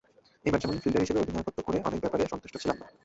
এবার যেমন ফিল্ডার হিসেবে অধিনায়কত্ব করে অনেক ব্যাপারে সন্তুষ্ট ছিলাম না।